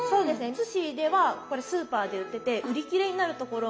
津市ではこれスーパーで売ってて売り切れになるところもあったりします。